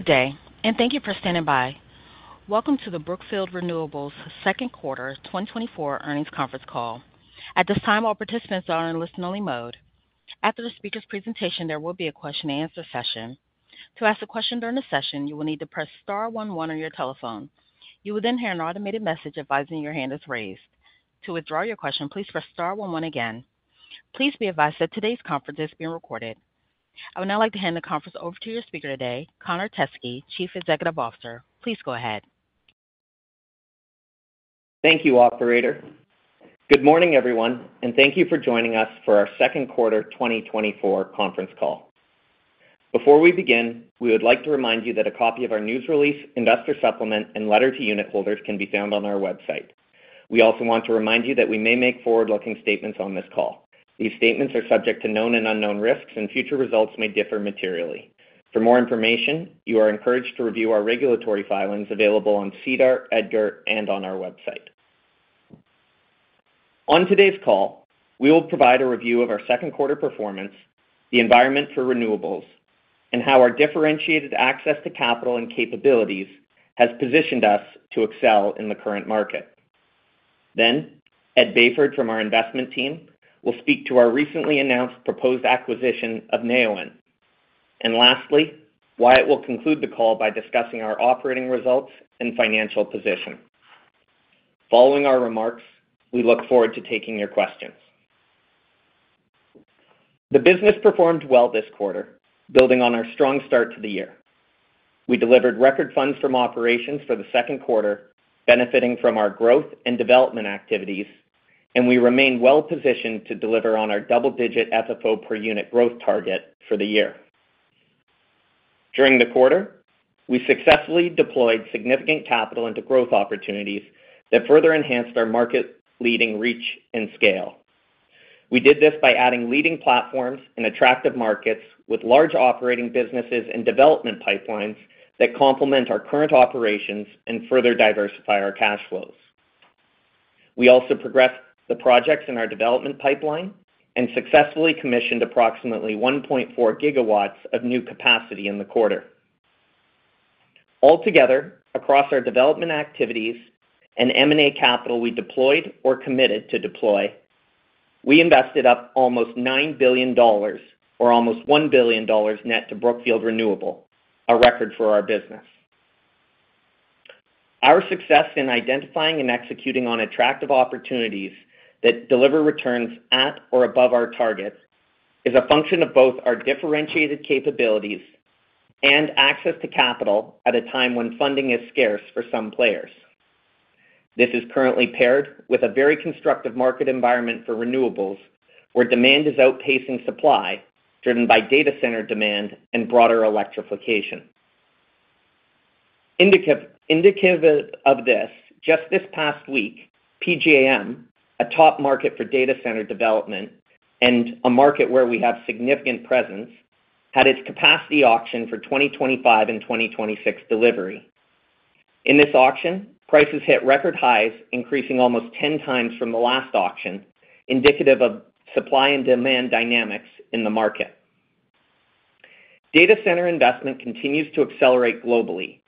Good day, and thank you for standing by. Welcome to the Brookfield Renewable's second quarter 2024 earnings conference call. At this time, all participants are in listen-only mode. After the speaker's presentation, there will be a question-and-answer session. To ask a question during the session, you will need to press star one one on your telephone. You will then hear an automated message advising your hand is raised. To withdraw your question, please press star one one again. Please be advised that today's conference is being recorded. I would now like to hand the conference over to your speaker today, Connor Teskey, Chief Executive Officer. Please go ahead. Thank you, operator. Good morning, everyone, and thank you for joining us for our second quarter 2024 conference call. Before we begin, we would like to remind you that a copy of our news release, investor supplement, and letter to unitholders can be found on our website. We also want to remind you that we may make forward-looking statements on this call. These statements are subject to known and unknown risks, and future results may differ materially. For more information, you are encouraged to review our regulatory filings available on SEDAR, EDGAR, and on our website. On today's call, we will provide a review of our second quarter performance, the environment for renewables, and how our differentiated access to capital and capabilities has positioned us to excel in the current market. Then, Ed Bayford from our investment team will speak to our recently announced proposed acquisition of Neoen. And lastly, Wyatt will conclude the call by discussing our operating results and financial position. Following our remarks, we look forward to taking your questions. The business performed well this quarter, building on our strong start to the year. We delivered record funds from operations for the second quarter, benefiting from our growth and development activities, and we remain well-positioned to deliver on our double-digit FFO per unit growth target for the year. During the quarter, we successfully deployed significant capital into growth opportunities that further enhanced our market-leading reach and scale. We did this by adding leading platforms in attractive markets with large operating businesses and development pipelines that complement our current operations and further diversify our cash flows. We also progressed the projects in our development pipeline and successfully commissioned approximately 1.4 GW of new capacity in the quarter. Altogether, across our development activities and M&A capital we deployed or committed to deploy, we invested up almost $9 billion or almost $1 billion net to Brookfield Renewable, a record for our business. Our success in identifying and executing on attractive opportunities that deliver returns at or above our targets is a function of both our differentiated capabilities and access to capital at a time when funding is scarce for some players. This is currently paired with a very constructive market environment for renewables, where demand is outpacing supply, driven by data center demand and broader electrification. Indicative of this, just this past week, PJM, a top market for data center development and a market where we have significant presence, had its capacity auction for 2025 and 2026 delivery. In this auction, prices hit record highs, increasing almost 10 times from the last auction, indicative of supply and demand dynamics in the market. Data center investment continues to accelerate globally,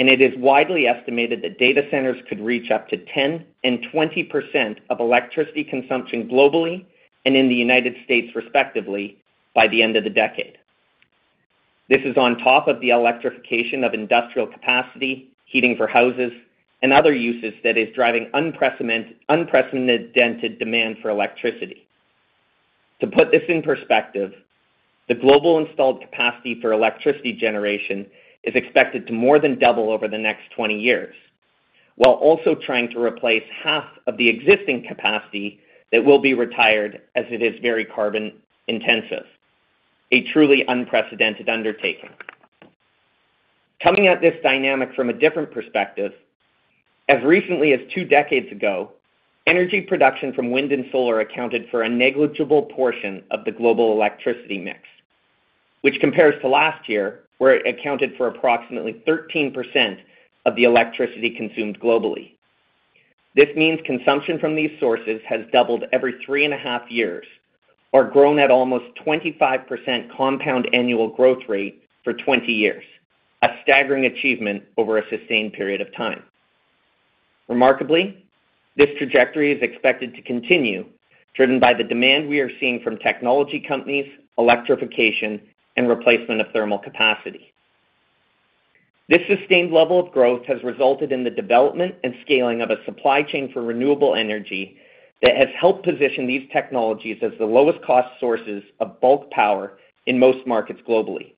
and it is widely estimated that data centers could reach up to 10% and 20% of electricity consumption globally and in the United States, respectively, by the end of the decade. This is on top of the electrification of industrial capacity, heating for houses, and other uses that is driving unprecedented demand for electricity. To put this in perspective, the global installed capacity for electricity generation is expected to more than double over the next 20 years, while also trying to replace half of the existing capacity that will be retired as it is very carbon intensive, a truly unprecedented undertaking. Coming at this dynamic from a different perspective, as recently as two decades ago, energy production from wind and solar accounted for a negligible portion of the global electricity mix, which compares to last year, where it accounted for approximately 13% of the electricity consumed globally. This means consumption from these sources has doubled every three and a half years or grown at almost 25% compound annual growth rate for 20 years, a staggering achievement over a sustained period of time. Remarkably, this trajectory is expected to continue, driven by the demand we are seeing from technology companies, electrification, and replacement of thermal capacity. This sustained level of growth has resulted in the development and scaling of a supply chain for renewable energy that has helped position these technologies as the lowest-cost sources of bulk power in most markets globally.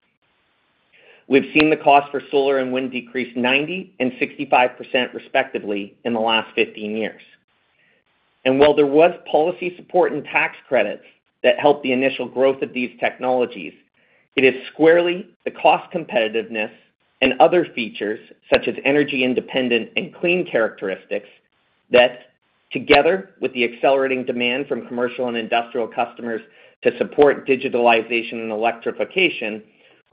We've seen the cost for solar and wind decrease 90% and 65%, respectively, in the last 15 years. While there was policy support and tax credits that helped the initial growth of these technologies, it is squarely the cost competitiveness and other features, such as energy independent and clean characteristics, that, together with the accelerating demand from commercial and industrial customers to support digitalization and electrification,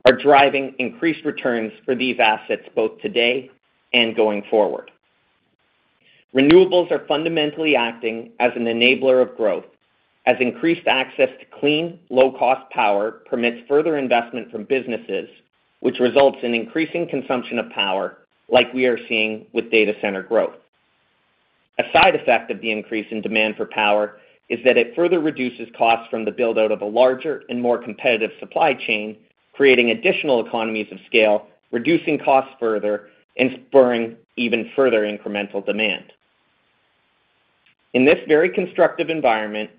are driving increased returns for these assets both today and going forward. Renewables are fundamentally acting as an enabler of growth, as increased access to clean, low-cost power permits further investment from businesses, which results in increasing consumption of power, like we are seeing with data center growth. A side effect of the increase in demand for power is that it further reduces costs from the build-out of a larger and more competitive supply chain, creating additional economies of scale, reducing costs further, and spurring even further incremental demand. In this very constructive environment,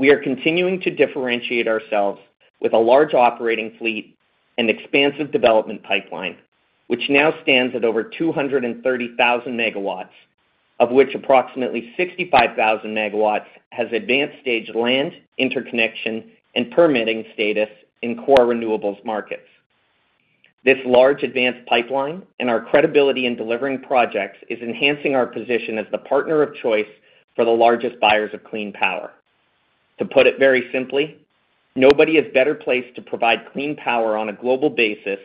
we are continuing to differentiate ourselves with a large operating fleet and expansive development pipeline, which now stands at over 230,000 MW, of which approximately 65,000 MW has advanced-stage land, interconnection, and permitting status in core renewables markets. This large advanced pipeline and our credibility in delivering projects is enhancing our position as the partner of choice for the largest buyers of clean power. To put it very simply, nobody is better placed to provide clean power on a global basis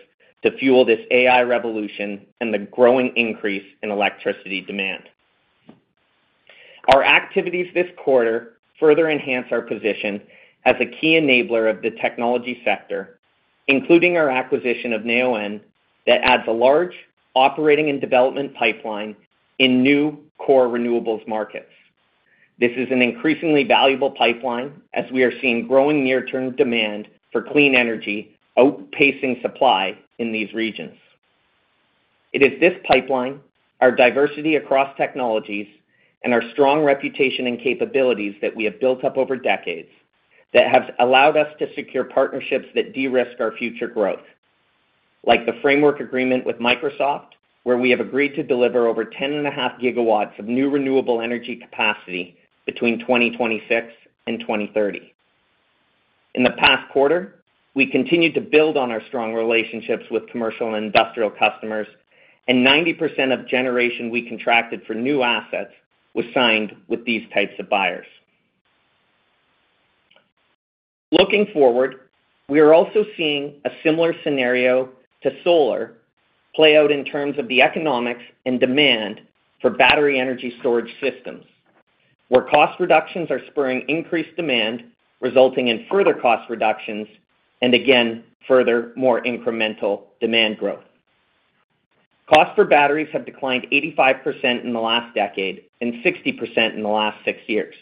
to fuel this AI revolution and the growing increase in electricity demand. Our activities this quarter further enhance our position as a key enabler of the technology sector, including our acquisition of Neoen, that adds a large operating and development pipeline in new core renewables markets. This is an increasingly valuable pipeline as we are seeing growing near-term demand for clean energy outpacing supply in these regions. It is this pipeline, our diversity across technologies, and our strong reputation and capabilities that we have built up over decades, that have allowed us to secure partnerships that de-risk our future growth, like the framework agreement with Microsoft, where we have agreed to deliver over 10.5 GW of new renewable energy capacity between 2026 and 2030. In the past quarter, we continued to build on our strong relationships with commercial and industrial customers, and 90% of generation we contracted for new assets was signed with these types of buyers. Looking forward, we are also seeing a similar scenario to solar play out in terms of the economics and demand for battery energy storage systems, where cost reductions are spurring increased demand, resulting in further cost reductions, and again, further, more incremental demand growth. Costs for batteries have declined 85% in the last decade and 60% in the last six years.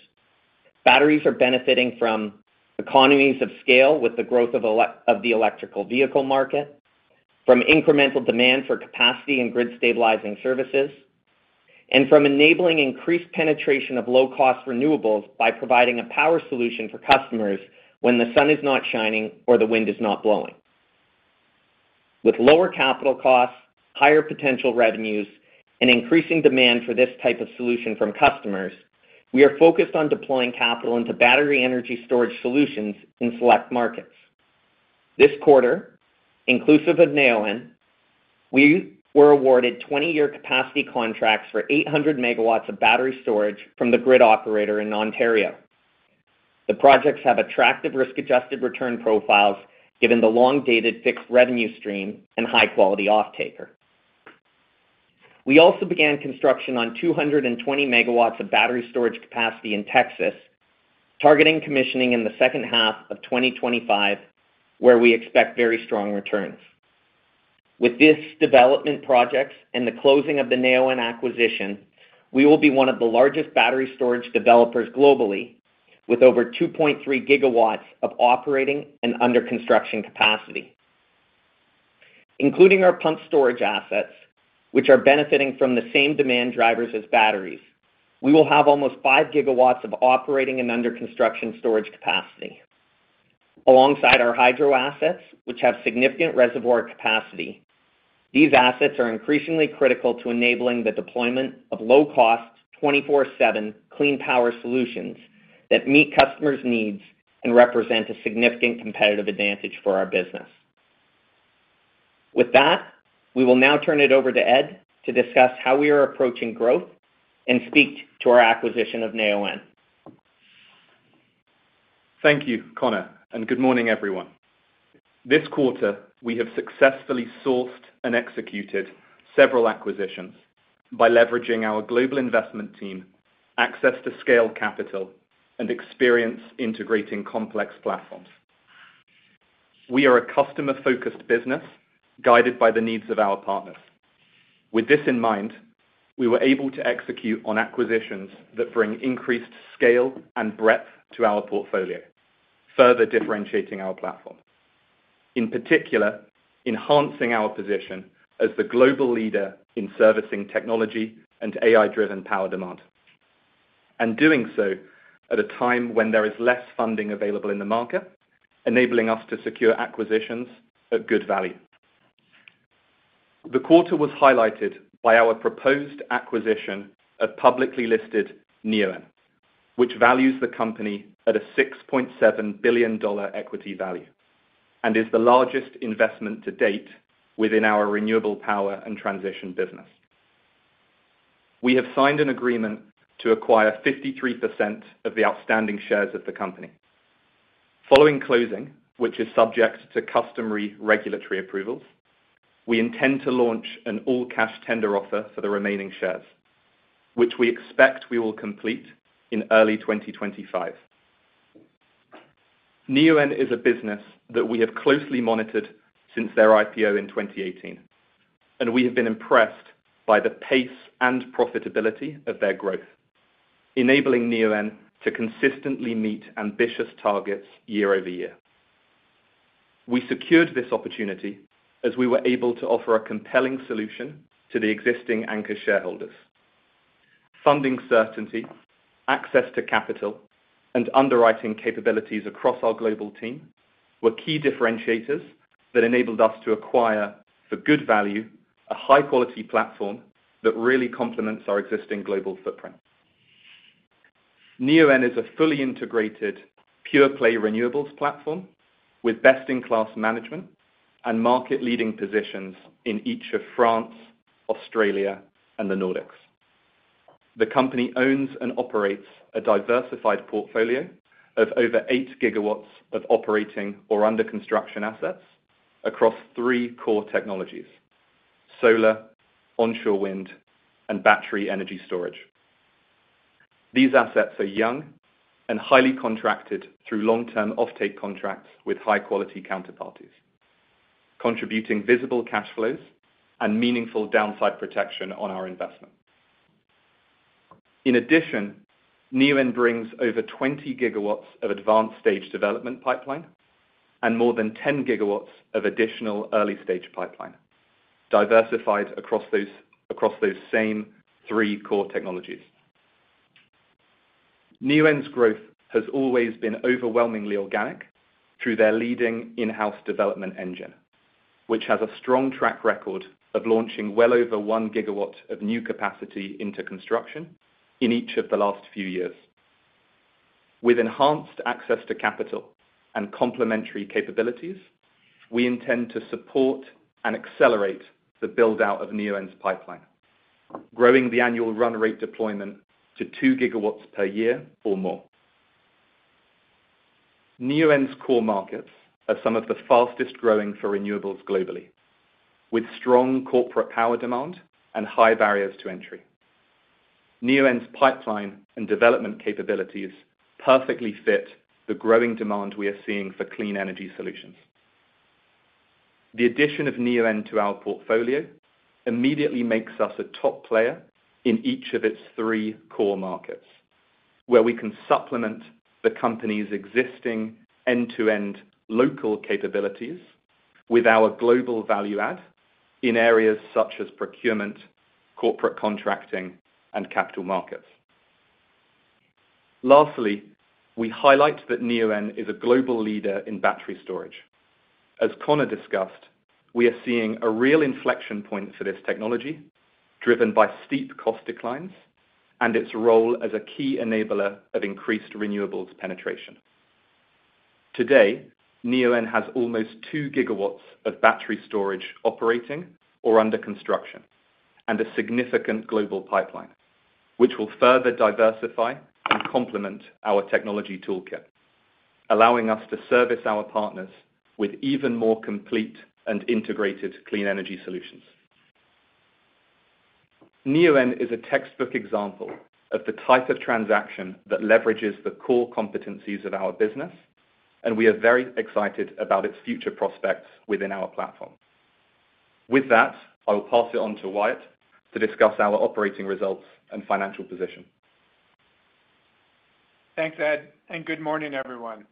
Batteries are benefiting from economies of scale with the growth of the electric vehicle market, from incremental demand for capacity and grid stabilizing services, and from enabling increased penetration of low-cost renewables by providing a power solution for customers when the sun is not shining or the wind is not blowing. With lower capital costs, higher potential revenues, and increasing demand for this type of solution from customers, we are focused on deploying capital into battery energy storage solutions in select markets. This quarter, inclusive of Neoen, we were awarded 20-year capacity contracts for 800 megawatts of battery storage from the grid operator in Ontario. The projects have attractive risk-adjusted return profiles, given the long-dated fixed revenue stream and high-quality offtaker. We also began construction on 220 megawatts of battery storage capacity in Texas, targeting commissioning in the second half of 2025, where we expect very strong returns. With these development projects and the closing of the Neoen acquisition, we will be one of the largest battery storage developers globally, with over 2.3 GW of operating and under construction capacity. Including our pumped storage assets, which are benefiting from the same demand drivers as batteries, we will have almost 5 GW of operating and under construction storage capacity. Alongside our hydro assets, which have significant reservoir capacity, these assets are increasingly critical to enabling the deployment of low-cost, 24/7 clean power solutions that meet customers' needs and represent a significant competitive advantage for our business. With that, we will now turn it over to Ed to discuss how we are approaching growth and speak to our acquisition of Neoen. Thank you, Connor, and good morning, everyone. This quarter, we have successfully sourced and executed several acquisitions by leveraging our global investment team, access to scale capital, and experience integrating complex platforms. We are a customer-focused business, guided by the needs of our partners. With this in mind, we were able to execute on acquisitions that bring increased scale and breadth to our portfolio, further differentiating our platform. In particular, enhancing our position as the global leader in servicing technology and AI-driven power demand, and doing so at a time when there is less funding available in the market, enabling us to secure acquisitions at good value. The quarter was highlighted by our proposed acquisition of publicly listed Neoen, which values the company at a $6.7 billion equity value, and is the largest investment to date within our renewable power and transition business. We have signed an agreement to acquire 53% of the outstanding shares of the company. Following closing, which is subject to customary regulatory approvals, we intend to launch an all-cash tender offer for the remaining shares, which we expect we will complete in early 2025. Neoen is a business that we have closely monitored since their IPO in 2018, and we have been impressed by the pace and profitability of their growth, enabling Neoen to consistently meet ambitious targets year-over-year. We secured this opportunity as we were able to offer a compelling solution to the existing anchor shareholders. Funding certainty, access to capital, and underwriting capabilities across our global team were key differentiators that enabled us to acquire, for good value, a high-quality platform that really complements our existing global footprint. Neoen is a fully integrated, pure-play renewables platform with best-in-class management and market-leading positions in each of France, Australia, and the Nordics. The company owns and operates a diversified portfolio of over 8 GW of operating or under construction assets across three core technologies: solar, onshore wind, and battery energy storage. These assets are young and highly contracted through long-term offtake contracts with high-quality counterparties, contributing visible cash flows and meaningful downside protection on our investment. In addition, Neoen brings over 20 GW of advanced stage development pipeline and more than 10 GW of additional early-stage pipeline, diversified across those, across those same three core technologies. Neoen's growth has always been overwhelmingly organic through their leading in-house development engine, which has a strong track record of launching well over 1 GW of new capacity into construction in each of the last few years. With enhanced access to capital and complementary capabilities, we intend to support and accelerate the build-out of Neoen's pipeline, growing the annual run rate deployment to 2 GW per year or more. Neoen's core markets are some of the fastest-growing for renewables globally, with strong corporate power demand and high barriers to entry. Neoen's pipeline and development capabilities perfectly fit the growing demand we are seeing for clean energy solutions. The addition of Neoen to our portfolio immediately makes us a top player in each of its 3 core markets, where we can supplement the company's existing end-to-end local capabilities with our global value add in areas such as procurement, corporate contracting, and capital markets. Lastly, we highlight that Neoen is a global leader in battery storage. As Connor discussed, we are seeing a real inflection point for this technology, driven by steep cost declines and its role as a key enabler of increased renewables penetration. Today, Neoen has almost 2 GW of battery storage operating or under construction, and a significant global pipeline, which will further diversify and complement our technology toolkit, allowing us to service our partners with even more complete and integrated clean energy solutions. Neoen is a textbook example of the type of transaction that leverages the core competencies of our business, and we are very excited about its future prospects within our platform. With that, I will pass it on to Wyatt to discuss our operating results and financial position. Thanks, Ed, and good morning, everyone.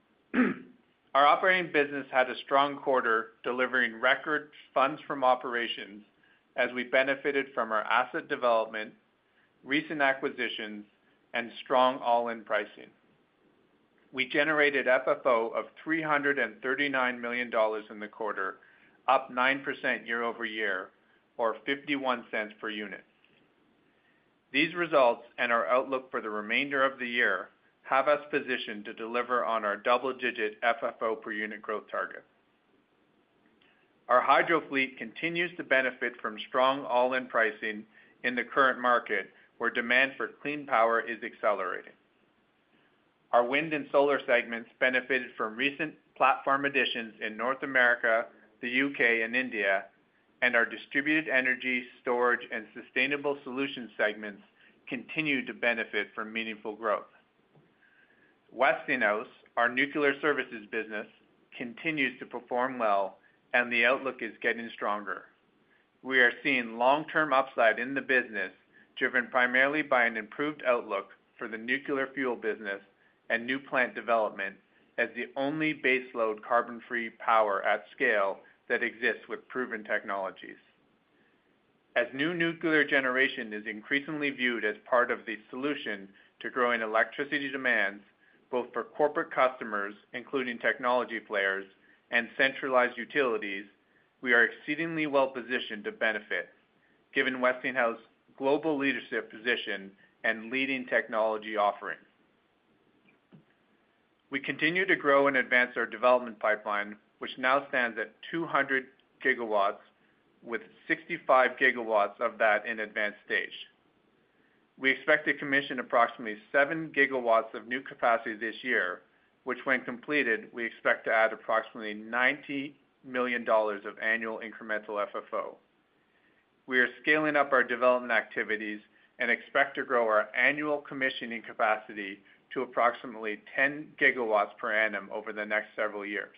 Our operating business had a strong quarter, delivering record funds from operations as we benefited from our asset development, recent acquisitions, and strong all-in pricing. We generated FFO of $339 million in the quarter, up 9% year-over-year, or $0.51 per unit. These results and our outlook for the remainder of the year have us positioned to deliver on our double-digit FFO per unit growth target. Our hydro fleet continues to benefit from strong all-in pricing in the current market, where demand for clean power is accelerating. Our wind and solar segments benefited from recent platform additions in North America, the U.K., and India, and our distributed energy storage and sustainable solutions segments continue to benefit from meaningful growth. Westinghouse, our nuclear services business, continues to perform well, and the outlook is getting stronger. We are seeing long-term upside in the business, driven primarily by an improved outlook for the nuclear fuel business and new plant development as the only base load, carbon-free power at scale that exists with proven technologies. As new nuclear generation is increasingly viewed as part of the solution to growing electricity demands, both for corporate customers, including technology players and centralized utilities, we are exceedingly well positioned to benefit, given Westinghouse's global leadership position and leading technology offerings. We continue to grow and advance our development pipeline, which now stands at 200 GW, with 65 GW of that in advanced stage. We expect to commission approximately 7 GW of new capacity this year, which when completed, we expect to add approximately $90 million of annual incremental FFO. We are scaling up our development activities and expect to grow our annual commissioning capacity to approximately 10 GW per annum over the next several years.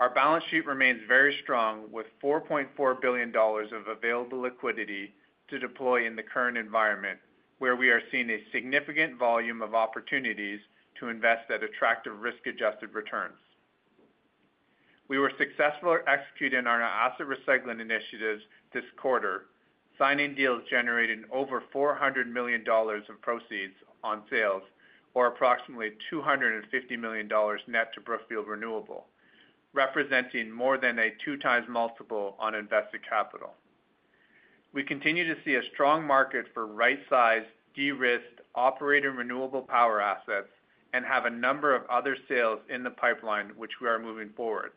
Our balance sheet remains very strong, with $4.4 billion of available liquidity to deploy in the current environment, where we are seeing a significant volume of opportunities to invest at attractive risk-adjusted returns. We were successful at executing on our asset recycling initiatives this quarter, signing deals generating over $400 million of proceeds on sales, or approximately $250 million net to Brookfield Renewable, representing more than a 2x multiple on invested capital. We continue to see a strong market for right-sized, de-risked, operated renewable power assets and have a number of other sales in the pipeline, which we are moving forward.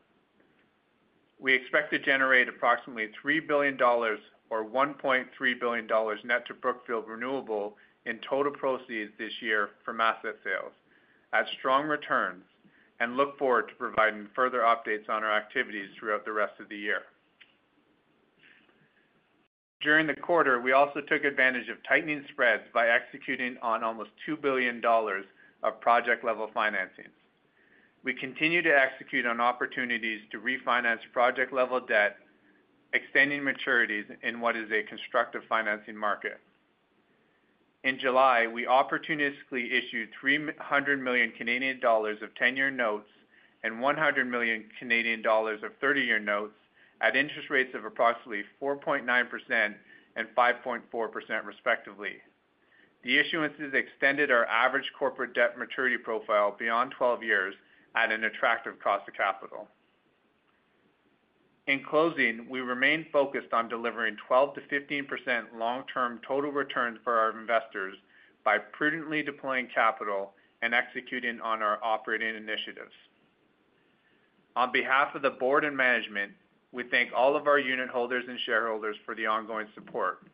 We expect to generate approximately $3 billion, or $1.3 billion net to Brookfield Renewable, in total proceeds this year from asset sales at strong returns, and look forward to providing further updates on our activities throughout the rest of the year. During the quarter, we also took advantage of tightening spreads by executing on almost $2 billion of project-level financings. We continue to execute on opportunities to refinance project-level debt, extending maturities in what is a constructive financing market. In July, we opportunistically issued 300 million Canadian dollars of 10-year notes and 100 million Canadian dollars of 30-year notes at interest rates of approximately 4.9% and 5.4%, respectively. The issuances extended our average corporate debt maturity profile beyond 12 years at an attractive cost of capital. In closing, we remain focused on delivering 12%-15% long-term total returns for our investors by prudently deploying capital and executing on our operating initiatives. On behalf of the board and management, we thank all of our unitholders and shareholders for the ongoing support.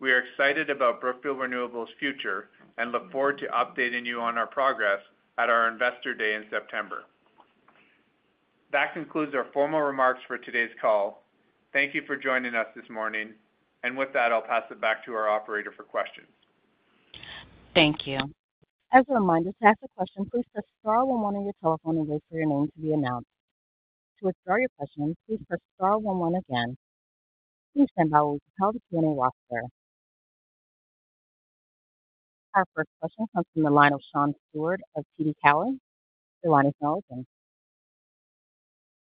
We are excited about Brookfield Renewable's future and look forward to updating you on our progress at our Investor Day in September. That concludes our formal remarks for today's call. Thank you for joining us this morning. With that, I'll pass it back to our operator for questions. Thank you. As a reminder, to ask a question, please press star one one on your telephone and wait for your name to be announced. To withdraw your question, please press star one one again. Please stand by while the Q&A roster. Our first question comes from the line of Sean Steuart of TD Cowen. Your line is now open.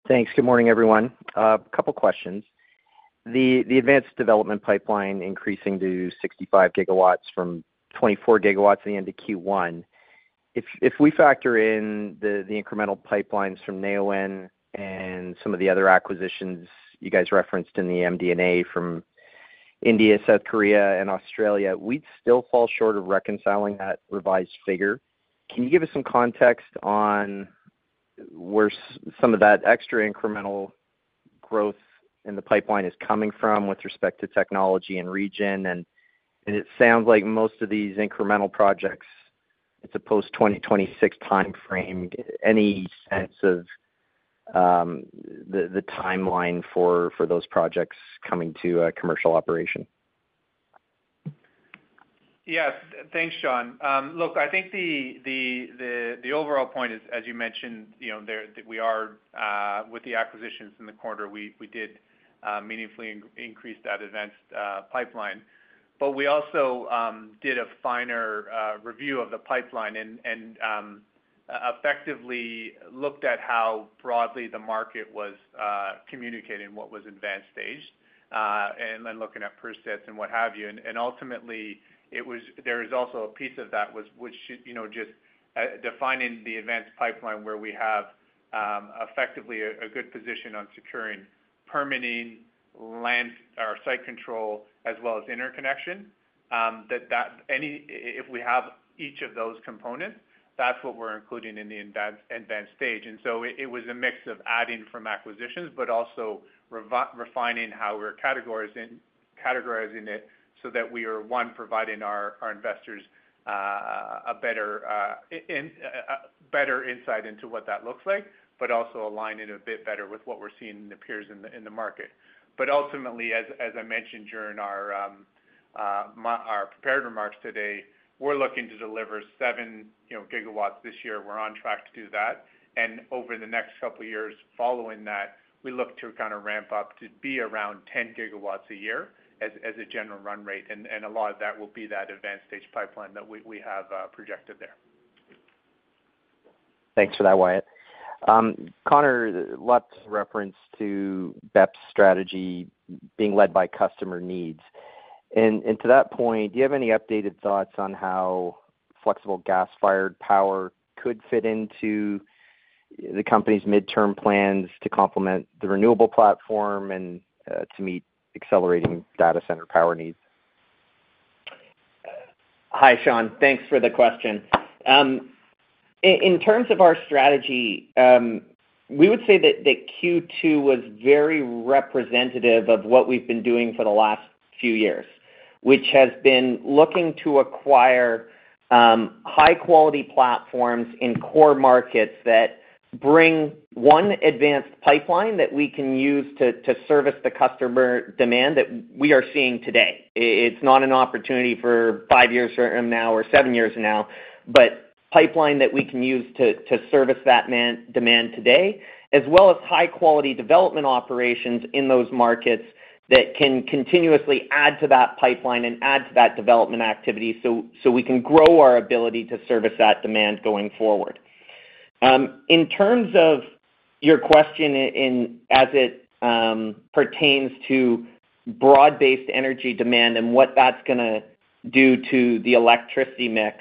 Thanks. Good morning, everyone. A couple questions. The advanced development pipeline increasing to 65 GW from 24 GW at the end of Q1. If we factor in the incremental pipelines from Neoen and some of the other acquisitions you guys referenced in the MD&A from India, South Korea, and Australia, we'd still fall short of reconciling that revised figure. Can you give us some context on where some of that extra incremental growth in the pipeline is coming from with respect to technology and region? And it sounds like most of these incremental projects, it's a post-2026 timeframe. Any sense of the timeline for those projects coming to a commercial operation? Yes. Thanks, Sean. Look, I think the overall point is, as you mentioned, you know, that we are with the acquisitions in the quarter, we did meaningfully increase that advanced pipeline. But we also did a finer review of the pipeline and effectively looked at how broadly the market was communicating what was advanced stage, and then looking at presets and what have you. And ultimately, there is also a piece of that which, you know, just defining the advanced pipeline, where we have effectively a good position on securing permitting, land or site control, as well as interconnection. That if we have each of those components, that's what we're including in the advanced stage. And so it was a mix of adding from acquisitions, but also refining how we're categorizing it, so that we are providing our investors a better insight into what that looks like, but also aligning a bit better with what we're seeing in the peers in the market. But ultimately, as I mentioned during our prepared remarks today, we're looking to deliver seven, you know, gigawatts this year. We're on track to do that. And over the next couple of years following that, we look to kind of ramp up to be around 10 GW a year as a general run rate. And a lot of that will be that advanced stage pipeline that we have projected there. Thanks for that, Wyatt. Connor, lots of reference to BEP's strategy being led by customer needs. And to that point, do you have any updated thoughts on how flexible gas-fired power could fit into the company's midterm plans to complement the renewable platform and to meet accelerating data center power needs? Hi, Sean. Thanks for the question. In terms of our strategy, we would say that Q2 was very representative of what we've been doing for the last few years, which has been looking to acquire high-quality platforms in core markets that bring one advanced pipeline that we can use to service the customer demand that we are seeing today. It's not an opportunity for five years from now or seven years from now, but pipeline that we can use to service that demand today, as well as high-quality development operations in those markets that can continuously add to that pipeline and add to that development activity, so we can grow our ability to service that demand going forward. In terms of your question in as it pertains to broad-based energy demand and what that's gonna do to the electricity mix,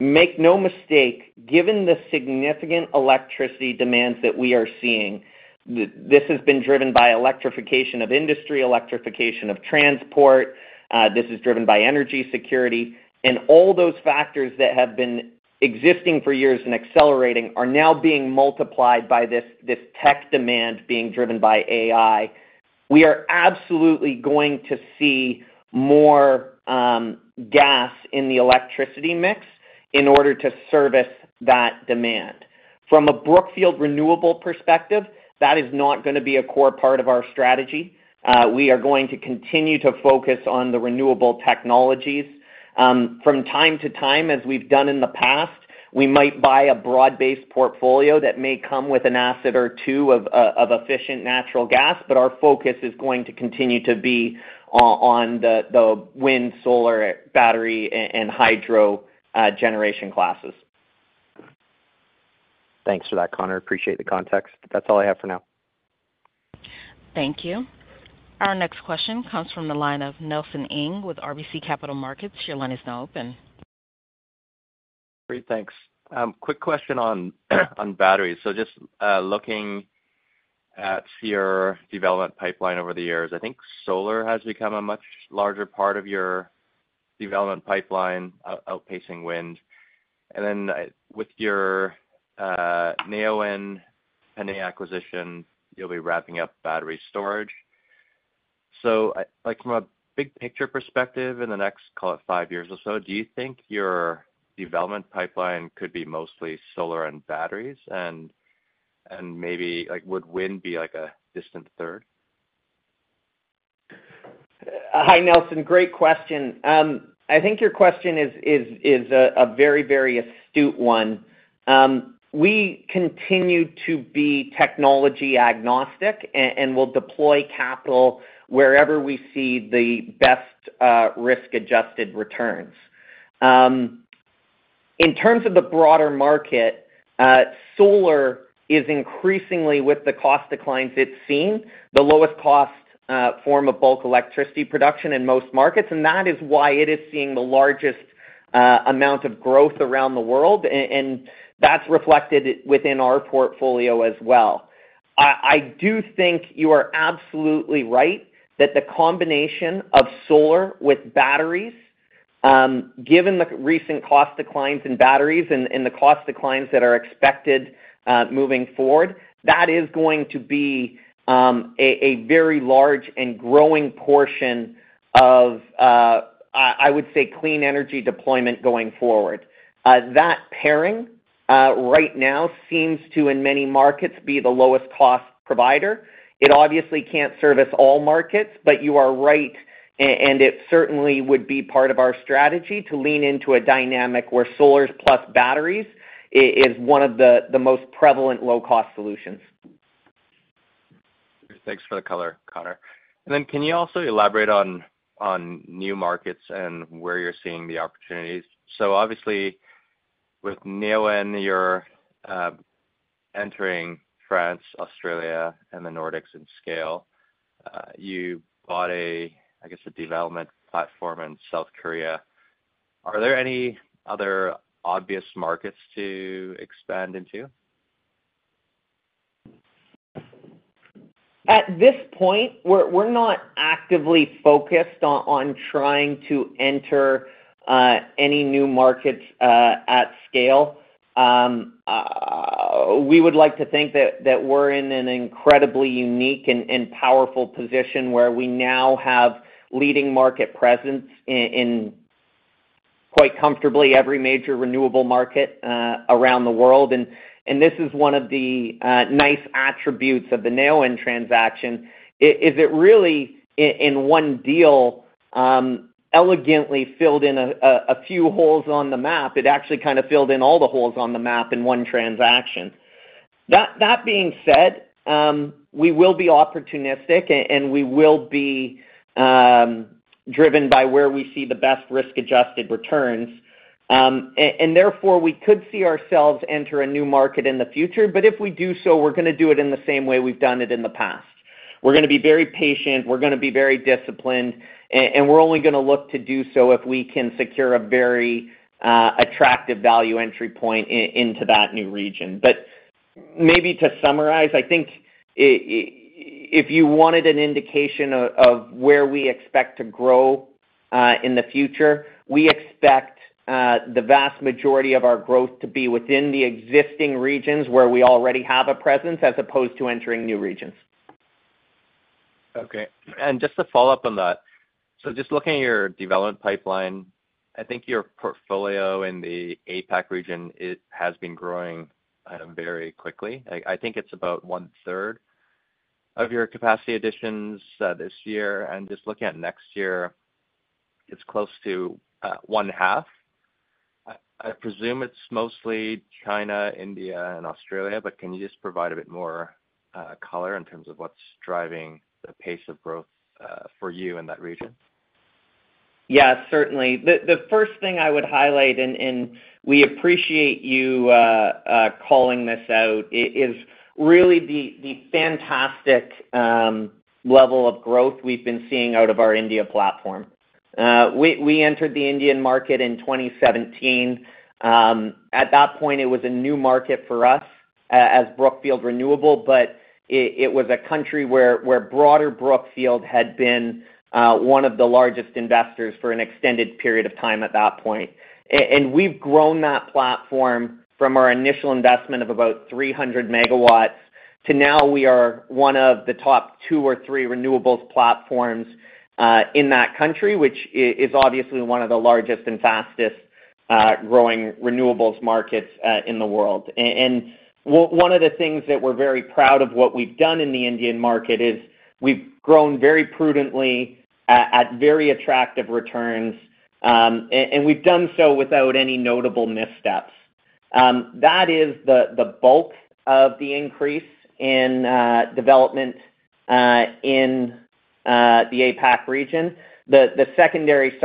make no mistake, given the significant electricity demands that we are seeing, this has been driven by electrification of industry, electrification of transport, this is driven by energy security, and all those factors that have been existing for years and accelerating are now being multiplied by this, this tech demand being driven by AI. We are absolutely going to see more gas in the electricity mix in order to service that demand. From a Brookfield Renewable perspective, that is not gonna be a core part of our strategy. We are going to continue to focus on the renewable technologies. From time to time, as we've done in the past, we might buy a broad-based portfolio that may come with an asset or two of efficient natural gas, but our focus is going to continue to be on the wind, solar, battery, and hydro generation classes. Thanks for that, Connor. Appreciate the context. That's all I have for now. Thank you. Our next question comes from the line of Nelson Ng with RBC Capital Markets. Your line is now open. Great, thanks. Quick question on batteries. So just looking at your development pipeline over the years, I think solar has become a much larger part of your development pipeline, outpacing wind. And then, with your Neoen pending acquisition, you'll be wrapping up battery storage. So like, from a big picture perspective, in the next, call it, five years or so, do you think your development pipeline could be mostly solar and batteries? And maybe, like, would wind be like a distant third? Hi, Nelson. Great question. I think your question is a very astute one. We continue to be technology agnostic, and we'll deploy capital wherever we see the best risk-adjusted returns. In terms of the broader market, solar is increasingly, with the cost declines it's seen, the lowest cost form of bulk electricity production in most markets, and that is why it is seeing the largest amount of growth around the world, and that's reflected within our portfolio as well. I do think you are absolutely right that the combination of solar with batteries, given the recent cost declines in batteries and the cost declines that are expected moving forward, that is going to be a very large and growing portion of, I would say, clean energy deployment going forward. That pairing, right now seems to, in many markets, be the lowest cost provider. It obviously can't service all markets, but you are right, and it certainly would be part of our strategy to lean into a dynamic where solars plus batteries is one of the most prevalent low-cost solutions. Thanks for the color, Connor. And then, can you also elaborate on new markets and where you're seeing the opportunities? So obviously, with Neoen, you're entering France, Australia, and the Nordics in scale. You bought a, I guess, a development platform in South Korea. Are there any other obvious markets to expand into? At this point, we're not actively focused on trying to enter any new markets at scale. We would like to think that we're in an incredibly unique and powerful position, where we now have leading market presence in quite comfortably every major renewable market around the world. And this is one of the nice attributes of the Neoen transaction, is it really in one deal, elegantly filled in a few holes on the map. It actually kind of filled in all the holes on the map in one transaction. That being said, we will be opportunistic and we will be driven by where we see the best risk-adjusted returns. And therefore, we could see ourselves enter a new market in the future, but if we do so, we're gonna do it in the same way we've done it in the past. We're gonna be very patient, we're gonna be very disciplined, and we're only gonna look to do so if we can secure a very attractive value entry point into that new region. Maybe to summarize, I think, if you wanted an indication of where we expect to grow in the future, we expect the vast majority of our growth to be within the existing regions where we already have a presence, as opposed to entering new regions. Okay. Just to follow up on that, so just looking at your development pipeline, I think your portfolio in the APAC region, it has been growing very quickly. I think it's about one-third of your capacity additions this year. Just looking at next year, it's close to one-half. I presume it's mostly China, India and Australia, but can you just provide a bit more color in terms of what's driving the pace of growth for you in that region? Yeah, certainly. The first thing I would highlight, and we appreciate you calling this out, is really the fantastic level of growth we've been seeing out of our India platform. We entered the Indian market in 2017. At that point, it was a new market for us, as Brookfield Renewable, but it was a country where broader Brookfield had been one of the largest investors for an extended period of time at that point. And we've grown that platform from our initial investment of about 300 MW to now we are one of the top two or three renewables platforms in that country, which is obviously one of the largest and fastest growing renewables markets in the world. And on one of the things that we're very proud of what we've done in the Indian market is, we've grown very prudently, at very attractive returns, and we've done so without any notable missteps. That is the bulk of the increase in development in the APAC region. The secondary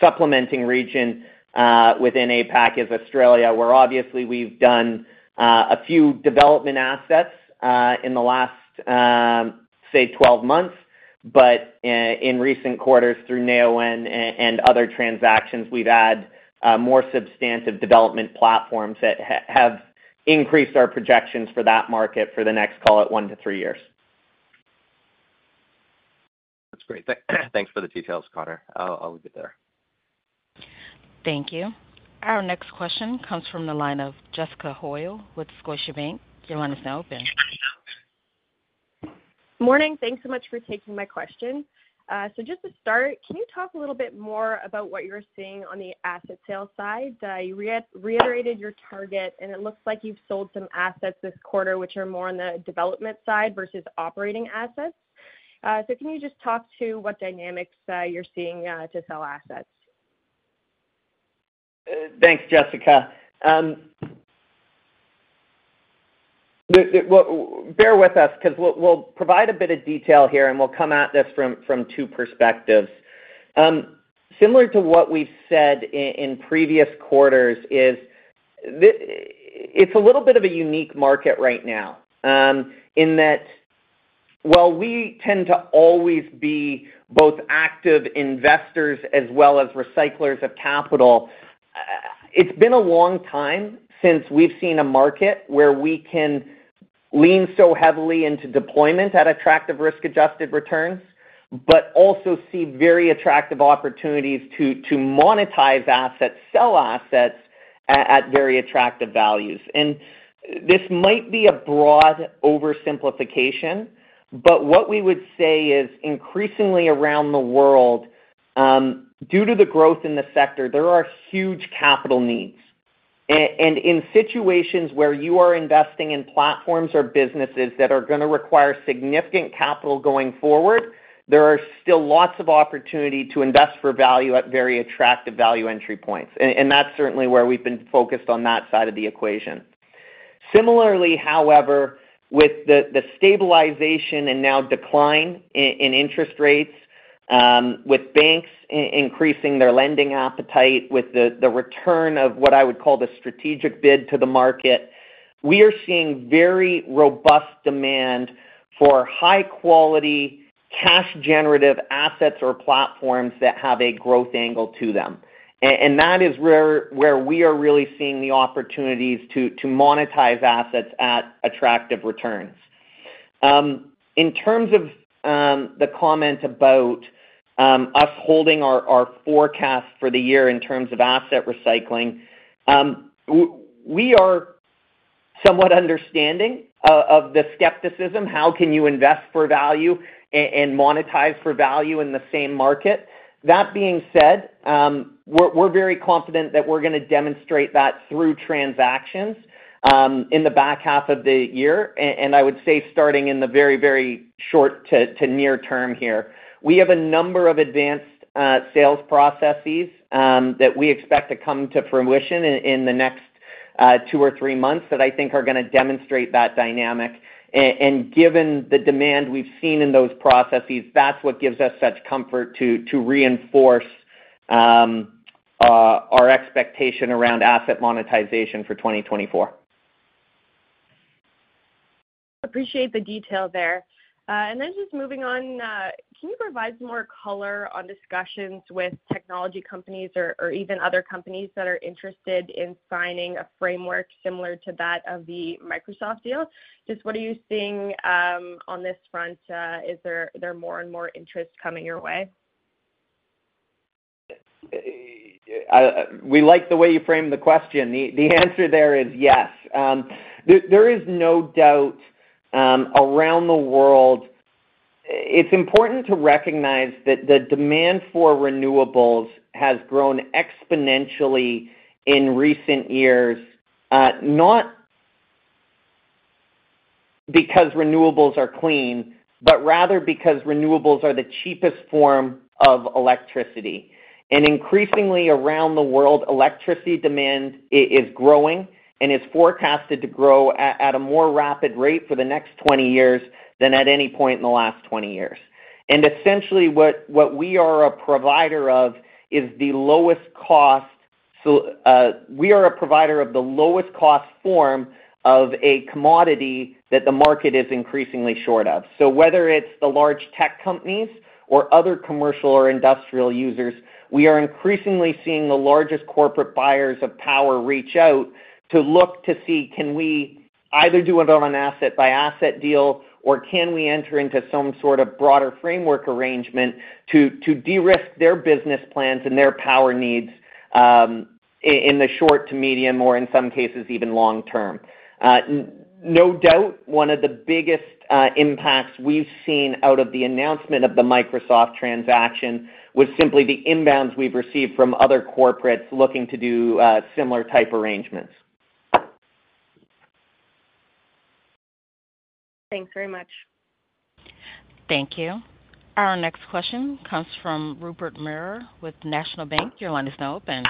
supplementing region within APAC is Australia, where obviously we've done a few development assets in the last, say, 12 months. But in recent quarters through Neoen and other transactions, we've added more substantive development platforms that have increased our projections for that market for the next, call it, 1-3 years. That's great. Thanks for the details, Connor. I'll leave it there. Thank you. Our next question comes from the line of Jessica Hoyle with Scotiabank. Your line is now open. Morning. Thanks so much for taking my question. So just to start, can you talk a little bit more about what you're seeing on the asset sales side? You reiterated your target, and it looks like you've sold some assets this quarter, which are more on the development side versus operating assets. So can you just talk to what dynamics you're seeing to sell assets? Thanks, Jessica. Bear with us, 'cause we'll provide a bit of detail here, and we'll come at this from two perspectives. Similar to what we've said in previous quarters is, it's a little bit of a unique market right now, in that, while we tend to always be both active investors as well as recyclers of capital, it's been a long time since we've seen a market where we can lean so heavily into deployment at attractive risk-adjusted returns, but also see very attractive opportunities to monetize assets, sell assets at very attractive values. And this might be a broad oversimplification, but what we would say is, increasingly around the world, due to the growth in the sector, there are huge capital needs. And in situations where you are investing in platforms or businesses that are gonna require significant capital going forward, there are still lots of opportunity to invest for value at very attractive value entry points. And that's certainly where we've been focused on that side of the equation. Similarly, however, with the stabilization and now decline in interest rates, with banks increasing their lending appetite, with the return of what I would call the strategic bid to the market, we are seeing very robust demand for high quality, cash-generative assets or platforms that have a growth angle to them. And that is where we are really seeing the opportunities to monetize assets at attractive returns. In terms of the comment about us holding our forecast for the year in terms of asset recycling, we are somewhat understanding of the skepticism. How can you invest for value and monetize for value in the same market? That being said, we're very confident that we're gonna demonstrate that through transactions in the back half of the year, and I would say starting in the very short to near term here. We have a number of advanced sales processes that we expect to come to fruition in the next two or three months, that I think are gonna demonstrate that dynamic. And given the demand we've seen in those processes, that's what gives us such comfort to reinforce our expectation around asset monetization for 2024. Appreciate the detail there. And then just moving on, can you provide some more color on discussions with technology companies or even other companies that are interested in signing a framework similar to that of the Microsoft deal? Just what are you seeing on this front? Is there more and more interest coming your way? We like the way you framed the question. The answer there is yes. There is no doubt around the world. It's important to recognize that the demand for renewables has grown exponentially in recent years, not because renewables are clean, but rather because renewables are the cheapest form of electricity. And increasingly, around the world, electricity demand is growing and is forecasted to grow at a more rapid rate for the next 20 years than at any point in the last 20 years. And essentially, what we are a provider of is the lowest cost. So, we are a provider of the lowest cost form of a commodity that the market is increasingly short of. So whether it's the large tech companies or other commercial or industrial users, we are increasingly seeing the largest corporate buyers of power reach out to look to see, can we either do it on an asset-by-asset deal, or can we enter into some sort of broader framework arrangement to, to de-risk their business plans and their power needs, in the short to medium, or in some cases, even long term. No doubt, one of the biggest impacts we've seen out of the announcement of the Microsoft transaction was simply the inbounds we've received from other corporates looking to do, similar type arrangements. Thanks very much. Thank you. Our next question comes from Rupert Merer with National Bank. Your line is now open.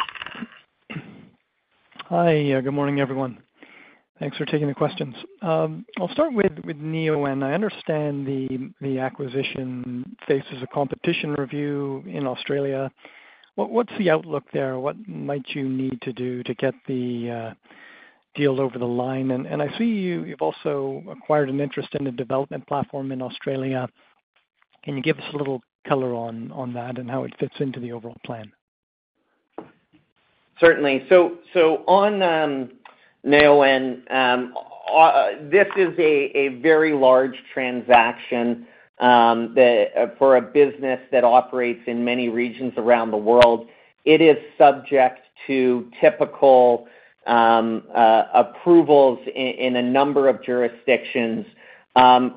Hi, good morning, everyone. Thanks for taking the questions. I'll start with Neoen. I understand the acquisition faces a competition review in Australia. What's the outlook there? What might you need to do to get the deal over the line? And I see you've also acquired an interest in a development platform in Australia. Can you give us a little color on that and how it fits into the overall plan? Certainly. So on Neoen, this is a very large transaction that for a business that operates in many regions around the world, it is subject to typical approvals in a number of jurisdictions.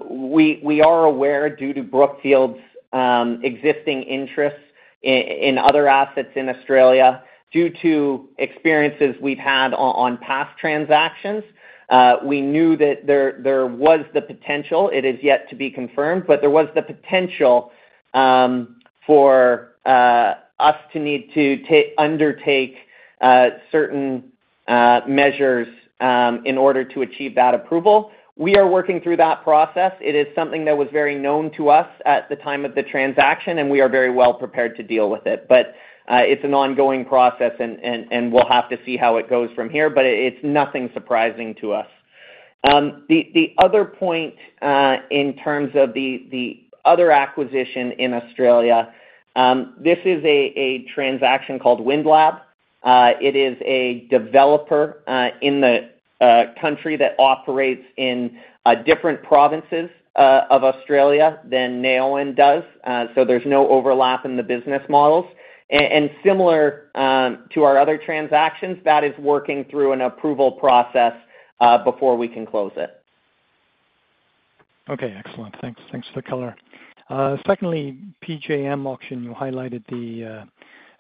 We are aware, due to Brookfield's existing interests in other assets in Australia, due to experiences we've had on past transactions, we knew that there was the potential. It is yet to be confirmed, but there was the potential for us to need to undertake certain measures in order to achieve that approval. We are working through that process. It is something that was very known to us at the time of the transaction, and we are very well prepared to deal with it. But it's an ongoing process, and we'll have to see how it goes from here, but it's nothing surprising to us. The other point, in terms of the other acquisition in Australia, this is a transaction called Windlab. It is a developer in the country that operates in different provinces of Australia than Neoen does, so there's no overlap in the business models. And similar to our other transactions, that is working through an approval process before we can close it. Okay, excellent. Thanks. Thanks for the color. Secondly, PJM auction. You highlighted the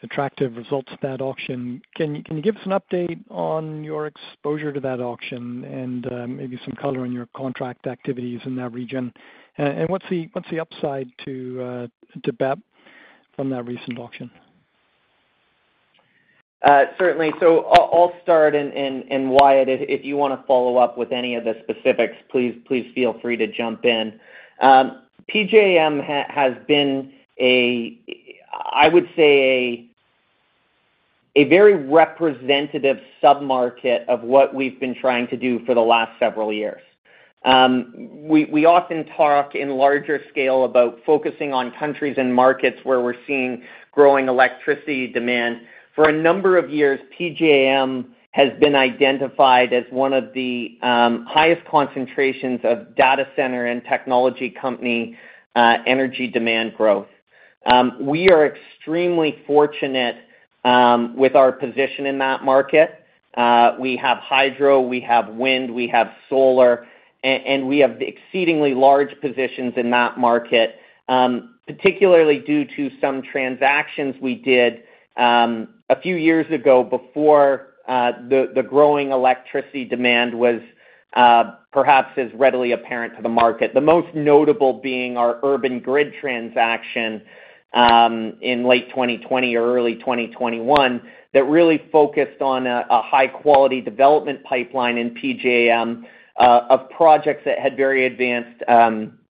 attractive results of that auction. Can you give us an update on your exposure to that auction and maybe some color on your contract activities in that region? And what's the upside to BEP from that recent auction? Certainly. So I'll start, and Wyatt, if you wanna follow up with any of the specifics, please feel free to jump in. PJM has been, I would say, a very representative sub-market of what we've been trying to do for the last several years. We often talk in larger scale about focusing on countries and markets where we're seeing growing electricity demand. For a number of years, PJM has been identified as one of the highest concentrations of data center and technology company energy demand growth. We are extremely fortunate with our position in that market. We have hydro, we have wind, we have solar, and we have exceedingly large positions in that market, particularly due to some transactions we did, a few years ago, before the growing electricity demand was perhaps as readily apparent to the market. The most notable being our Urban Grid transaction, in late 2020 or early 2021, that really focused on a high-quality development pipeline in PJM, of projects that had very advanced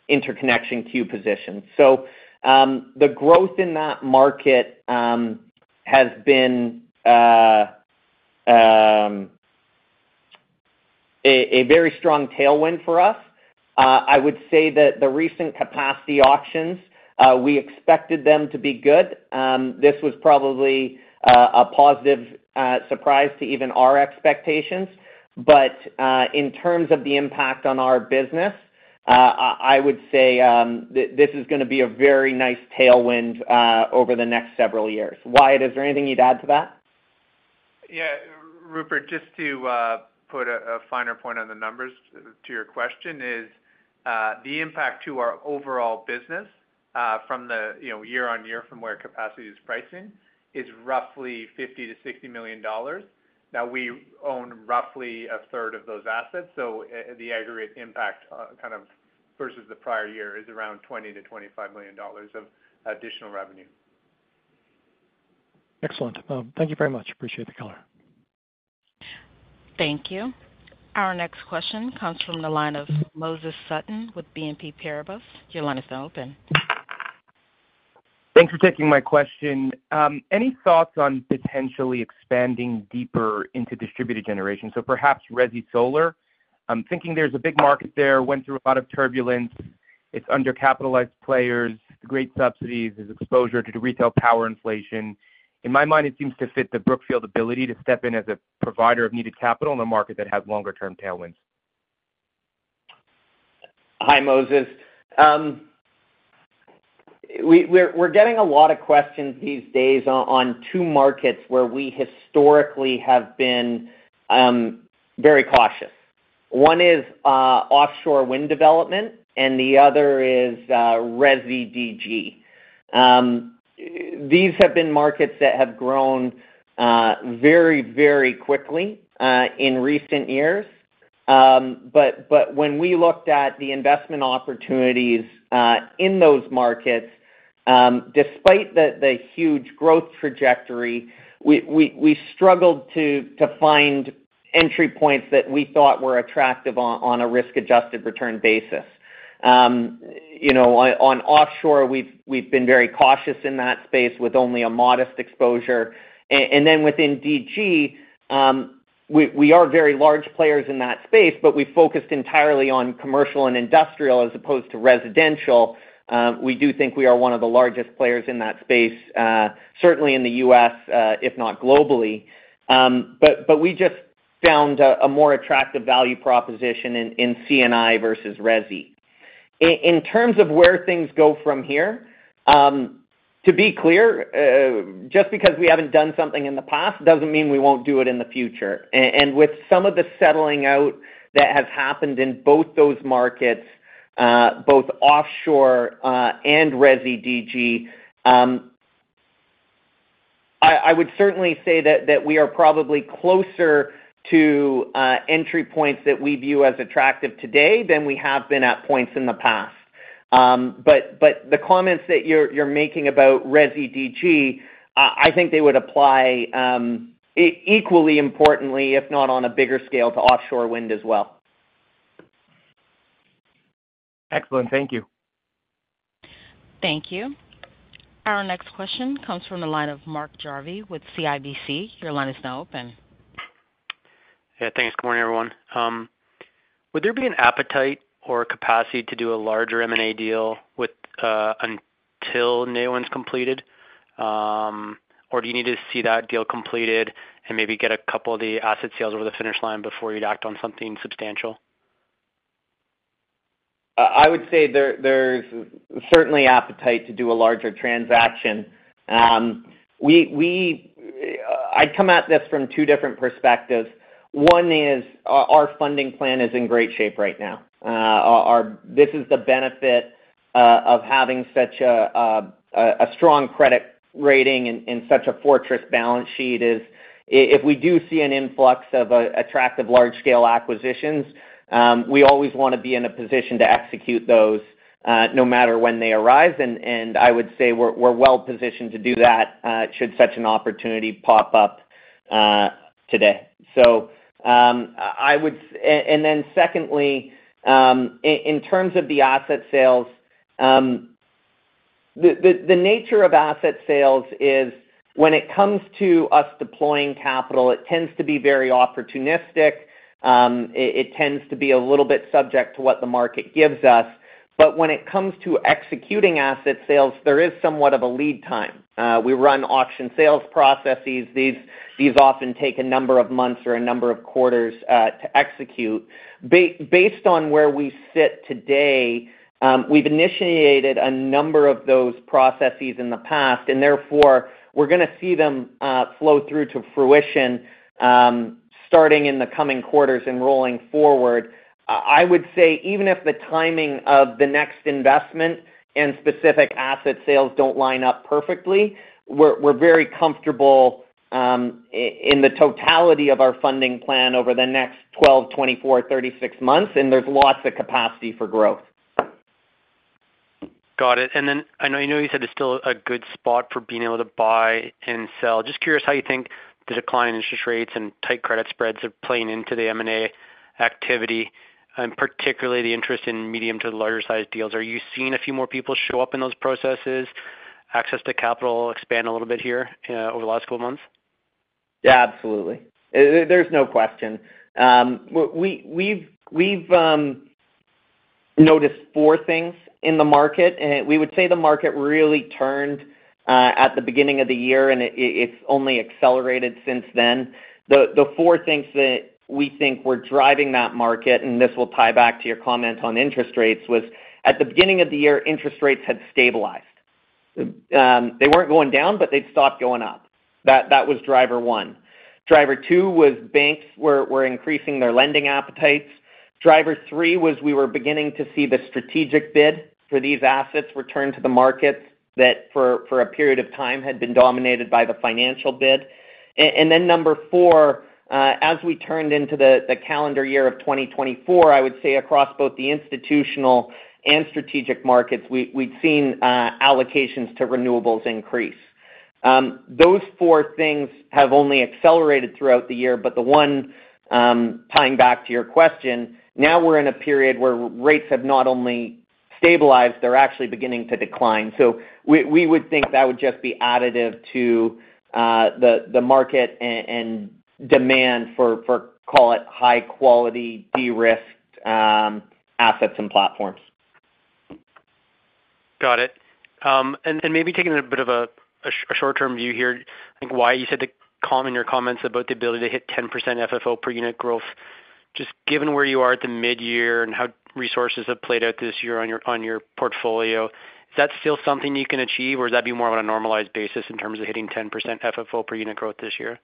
interconnection queue positions. So, the growth in that market has been a very strong tailwind for us. I would say that the recent capacity auctions, we expected them to be good. This was probably a positive surprise to even our expectations. But, in terms of the impact on our business, I would say, this is gonna be a very nice tailwind, over the next several years. Wyatt, is there anything you'd add to that? Yeah, Rupert, just to put a finer point on the numbers to your question is the impact to our overall business from the, you know, year-on-year from where capacity is pricing is roughly $50-$60 million. Now, we own roughly a third of those assets, so the aggregate impact kind of versus the prior year is around $20 million-$25 million of additional revenue. Excellent. Thank you very much. Appreciate the color. Thank you. Our next question comes from the line of Moses Sutton with BNP Paribas. Your line is now open. Thanks for taking my question. Any thoughts on potentially expanding deeper into distributed generation, so perhaps resi solar? I'm thinking there's a big market there, went through a lot of turbulence. It's undercapitalized players, great subsidies, there's exposure to retail power inflation. In my mind, it seems to fit the Brookfield ability to step in as a provider of needed capital in a market that has longer term tailwinds. Hi, Moses. We're getting a lot of questions these days on two markets where we historically have been very cautious. One is offshore wind development, and the other is resi DG. These have been markets that have grown very, very quickly in recent years. But when we looked at the investment opportunities in those markets, despite the huge growth trajectory, we struggled to find entry points that we thought were attractive on a risk-adjusted return basis. You know, on offshore, we've been very cautious in that space with only a modest exposure. And then within DG, we are very large players in that space, but we focused entirely on commercial and industrial as opposed to residential. We do think we are one of the largest players in that space, certainly in the U.S., if not globally. But we just found a more attractive value proposition in C&I versus resi. In terms of where things go from here, to be clear, just because we haven't done something in the past, doesn't mean we won't do it in the future. And with some of the settling out that has happened in both those markets, both offshore and resi DG, I would certainly say that we are probably closer to entry points that we view as attractive today than we have been at points in the past. But the comments that you're making about resi DG, I think they would apply equally importantly, if not on a bigger scale, to offshore wind as well. Excellent. Thank you. Thank you. Our next question comes from the line of Mark Jarvi with CIBC. Your line is now open. Yeah, thanks. Good morning, everyone. Would there be an appetite or capacity to do a larger M&A deal with until Neoen's completed? Or do you need to see that deal completed and maybe get a couple of the asset sales over the finish line before you'd act on something substantial? I would say, there's certainly appetite to do a larger transaction. I'd come at this from two different perspectives. One is, our funding plan is in great shape right now. This is the benefit of having such a strong credit rating and such a fortress balance sheet, is if we do see an influx of attractive large-scale acquisitions, we always wanna be in a position to execute those, no matter when they arrive. I would say we're well positioned to do that, should such an opportunity pop up, today. So, and then secondly, in terms of the asset sales, the nature of asset sales is when it comes to us deploying capital, it tends to be very opportunistic. It tends to be a little bit subject to what the market gives us. But when it comes to executing asset sales, there is somewhat of a lead time. We run auction sales processes. These often take a number of months or a number of quarters to execute. Based on where we sit today, we've initiated a number of those processes in the past, and therefore, we're gonna see them flow through to fruition, starting in the coming quarters and rolling forward. I would say, even if the timing of the next investment and specific asset sales don't line up perfectly, we're, we're very comfortable in the totality of our funding plan over the next 12, 24, 36 months, and there's lots of capacity for growth. Got it. And then I know, I know you said it's still a good spot for being able to buy and sell. Just curious how you think the decline in interest rates and tight credit spreads are playing into the M&A activity, and particularly the interest in medium to larger sized deals. Are you seeing a few more people show up in those processes? Access to capital expand a little bit here, over the last couple months? Yeah, absolutely. There, there's no question. We've noticed four things in the market, and we would say the market really turned at the beginning of the year, and it's only accelerated since then. The four things that we think were driving that market, and this will tie back to your comments on interest rates, was at the beginning of the year, interest rates had stabilized. They weren't going down, but they'd stopped going up. That was driver one. Driver two was banks were increasing their lending appetites. Driver three was we were beginning to see the strategic bid for these assets return to the market that for a period of time, had been dominated by the financial bid. And then number 4, as we turned into the calendar year of 2024, I would say across both the institutional and strategic markets, we'd seen allocations to renewables increase. Those 4 things have only accelerated throughout the year, but the one tying back to your question, now we're in a period where rates have not only stabilized, they're actually beginning to decline. So we would think that would just be additive to the market and demand for, call it, high quality, de-risked assets and platforms. Got it. And maybe taking a bit of a short-term view here, I think why you said in your comments about the ability to hit 10% FFO per unit growth. Just given where you are at the midyear and how resources have played out this year on your portfolio, is that still something you can achieve, or is that be more of a normalized basis in terms of hitting 10% FFO per unit growth this year?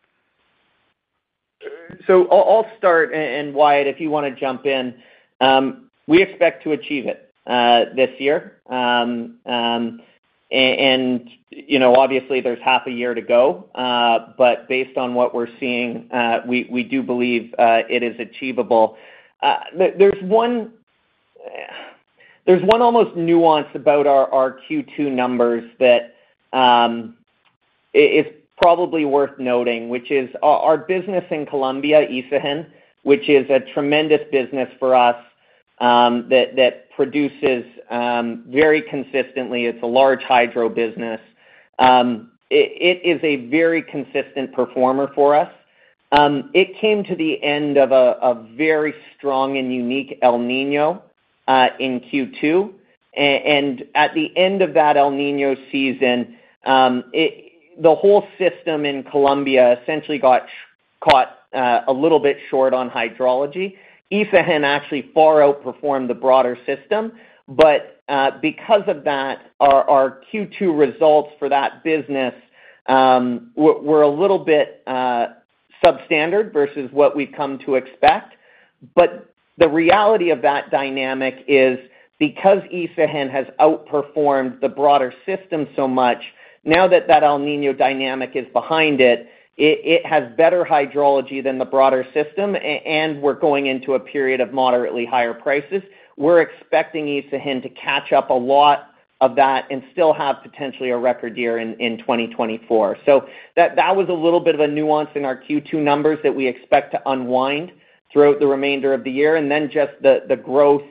I'll start, and Wyatt, if you want to jump in. We expect to achieve it this year. You know, obviously, there's half a year to go, but based on what we're seeing, we do believe it is achievable. There's one nuance about our Q2 numbers that it's probably worth noting, which is our business in Colombia, Isagen, which is a tremendous business for us, that produces very consistently. It's a large hydro business. It is a very consistent performer for us. It came to the end of a very strong and unique El Niño in Q2. And at the end of that El Niño season, it, the whole system in Colombia essentially got caught a little bit short on hydrology. Isagen actually far outperformed the broader system, but because of that, our Q2 results for that business were a little bit substandard versus what we've come to expect. But the reality of that dynamic is because Isagen has outperformed the broader system so much, now that that El Niño dynamic is behind it, it has better hydrology than the broader system, and we're going into a period of moderately higher prices. We're expecting Isagen to catch up a lot of that and still have potentially a record year in 2024. So that was a little bit of a nuance in our Q2 numbers that we expect to unwind throughout the remainder of the year. And then just the growth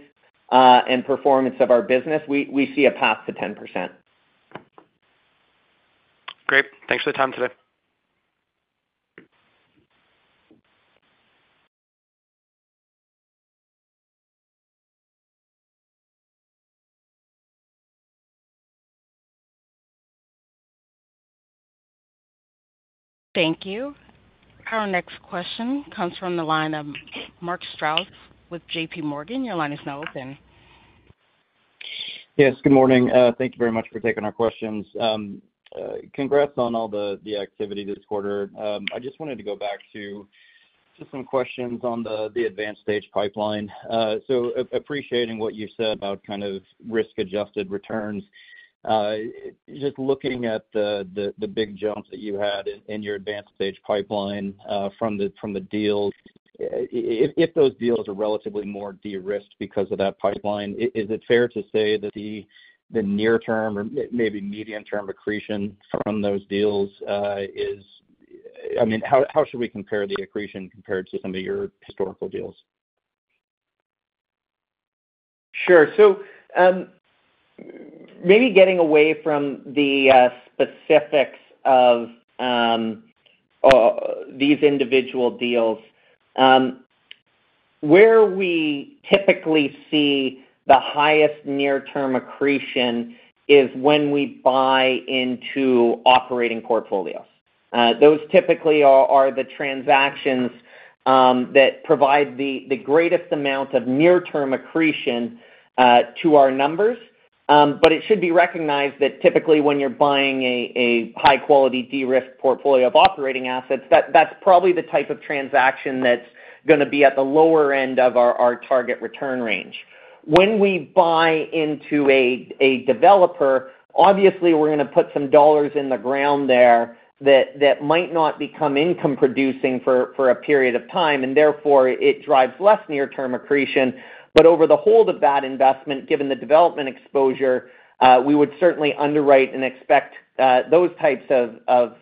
and performance of our business, we see a path to 10%. Great. Thanks for the time today. Thank you. Our next question comes from the line of Mark Strouse with JPMorgan. Your line is now open. Yes, good morning. Thank you very much for taking our questions. Congrats on all the activity this quarter. I just wanted to go back to just some questions on the advanced stage pipeline. So appreciating what you said about kind of risk-adjusted returns, just looking at the big jumps that you had in your advanced stage pipeline from the deals, if those deals are relatively more de-risked because of that pipeline, is it fair to say that the near term or maybe medium-term accretion from those deals is... I mean, how should we compare the accretion compared to some of your historical deals? Sure. So, maybe getting away from the specifics of these individual deals, where we typically see the highest near-term accretion is when we buy into operating portfolios. Those typically are the transactions that provide the greatest amount of near-term accretion to our numbers. But it should be recognized that typically when you're buying a high quality de-risk portfolio of operating assets, that's probably the type of transaction that's gonna be at the lower end of our target return range. When we buy into a developer, obviously, we're gonna put some dollars in the ground there that might not become income producing for a period of time, and therefore, it drives less near-term accretion. But over the life of that investment, given the development exposure, we would certainly underwrite and expect those types of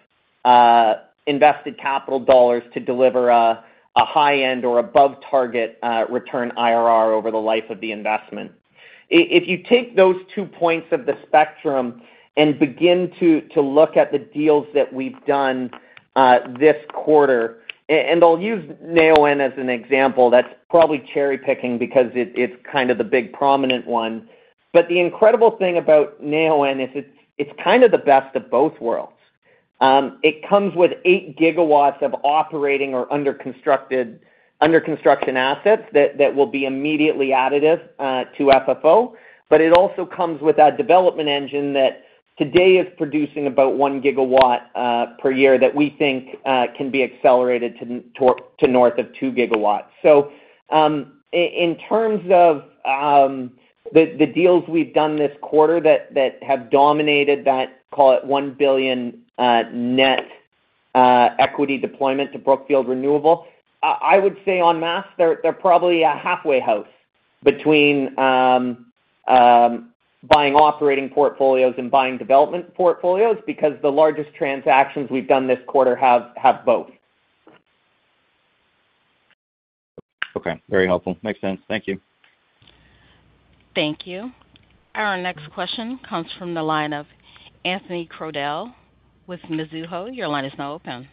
invested capital dollars to deliver a high-end or above target return IRR over the life of the investment. If you take those two points of the spectrum and begin to look at the deals that we've done this quarter, and I'll use Neoen as an example, that's probably cherry-picking because it, it's kind of the big prominent one. But the incredible thing about Neoen is it's kind of the best of both worlds. It comes with 8 GW of operating or under construction assets that will be immediately additive to FFO. But it also comes with a development engine that today is producing about 1 GW per year, that we think can be accelerated to north of 2 GW. So, in terms of the deals we've done this quarter that have dominated that, call it $1 billion net equity deployment to Brookfield Renewable, I would say en masse, they're probably a halfway house between buying operating portfolios and buying development portfolios, because the largest transactions we've done this quarter have both. Okay, very helpful. Makes sense. Thank you. Thank you. Our next question comes from the line of Anthony Crowdell with Mizuho. Your line is now open.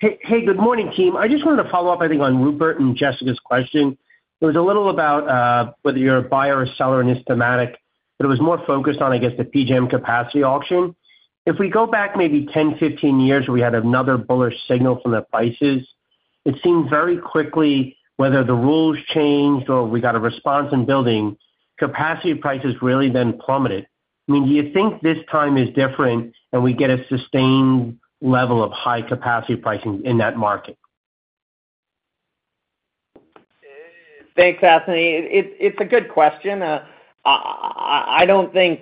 Hey, hey, good morning, team. I just wanted to follow up, I think, on Rupert and Jessica's question. It was a little about whether you're a buyer or seller in secondary, but it was more focused on, I guess, the PJM capacity auction. If we go back maybe 10, 15 years, where we had another bullish signal from the prices, it seemed very quickly, whether the rules changed or we got a response in building, capacity prices really then plummeted. I mean, do you think this time is different and we get a sustained level of high capacity pricing in that market? Thanks, Anthony. It's a good question. I don't think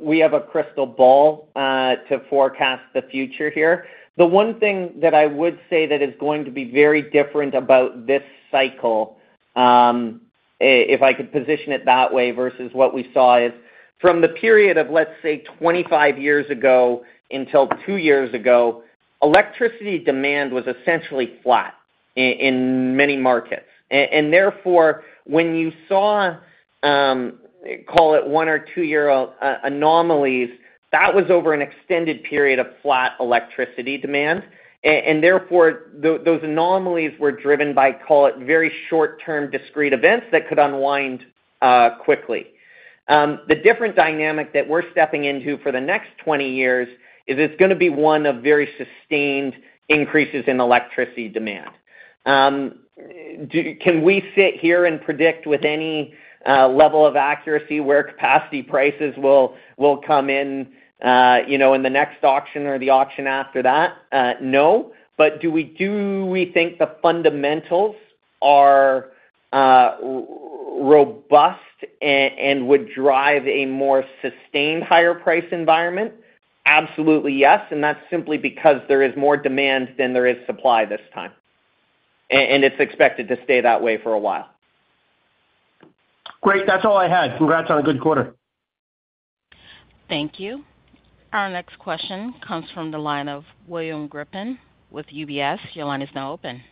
we have a crystal ball to forecast the future here. The one thing that I would say that is going to be very different about this cycle, if I could position it that way, versus what we saw is, from the period of, let's say, 25 years ago until 2 years ago, electricity demand was essentially flat in many markets. And therefore, those anomalies were driven by, call it, very short-term, discrete events that could unwind quickly. The different dynamic that we're stepping into for the next 20 years is it's gonna be one of very sustained increases in electricity demand. Can we sit here and predict with any level of accuracy where capacity prices will come in, you know, in the next auction or the auction after that? No. But do we think the fundamentals are robust and would drive a more sustained higher price environment? Absolutely, yes, and that's simply because there is more demand than there is supply this time. And it's expected to stay that way for a while. Great. That's all I had. Congrats on a good quarter. Thank you. Our next question comes from the line of William Grippin with UBS. Your line is now open.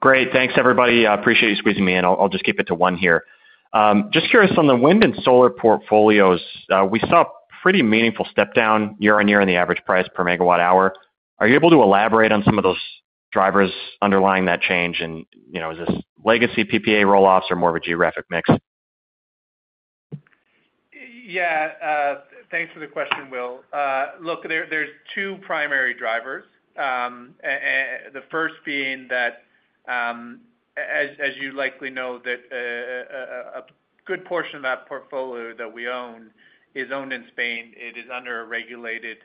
Great. Thanks, everybody. I appreciate you squeezing me in. I'll, I'll just keep it to one here. Just curious, on the wind and solar portfolios, we saw a pretty meaningful step down year-on-year in the average price per megawatt hour. Are you able to elaborate on some of those drivers underlying that change? And, you know, is this legacy PPA roll-offs or more of a geographic mix? Yeah, thanks for the question, Will. Look, there's two primary drivers, the first being that, as you likely know, a good portion of that portfolio that we own is owned in Spain. It is under a regulated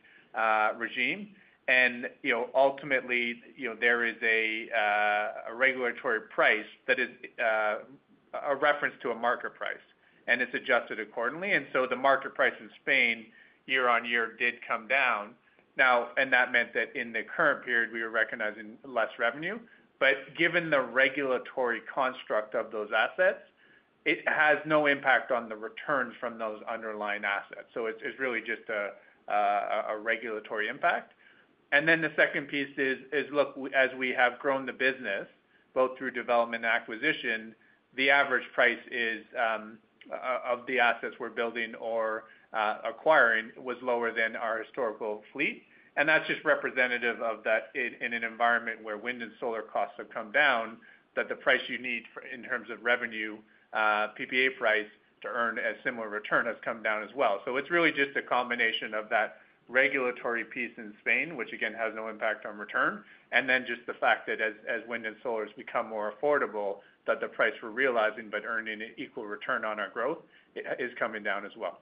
regime. And, you know, ultimately, you know, there is a regulatory price that is a reference to a market price, and it's adjusted accordingly. And so the market price in Spain, year-on-year, did come down. Now, and that meant that in the current period, we were recognizing less revenue. But given the regulatory construct of those assets, it has no impact on the returns from those underlying assets. So it's really just a regulatory impact. And then the second piece is, look, as we have grown the business, both through development and acquisition, the average price is of the assets we're building or acquiring, was lower than our historical fleet. And that's just representative of that in an environment where wind and solar costs have come down, that the price you need for in terms of revenue, PPA price to earn a similar return, has come down as well. So it's really just a combination of that regulatory piece in Spain, which again, has no impact on return, and then just the fact that as wind and solar has become more affordable, that the price we're realizing, but earning an equal return on our growth, is coming down as well.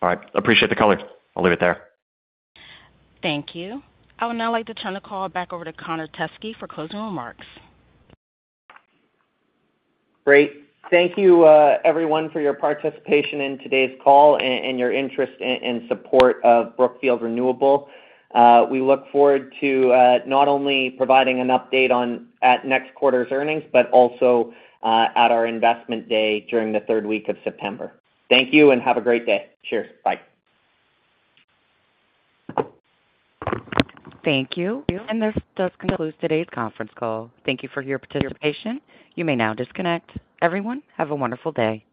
All right. Appreciate the color. I'll leave it there. Thank you. I would now like to turn the call back over to Connor Teskey for closing remarks. Great. Thank you, everyone, for your participation in today's call and your interest and support of Brookfield Renewable. We look forward to not only providing an update on at next quarter's earnings, but also at our Investment Day during the third week of September. Thank you, and have a great day. Cheers. Bye. Thank you. This does conclude today's conference call. Thank you for your participation. You may now disconnect. Everyone, have a wonderful day.